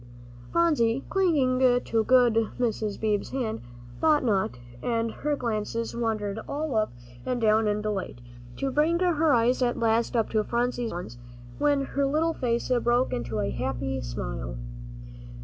Phronsie, clinging to good Mr. Beebe's hand, thought not, and her glances wandered all up and down in delight, to bring her eyes at last up to Polly's brown ones, when her little face broke into a happy smile.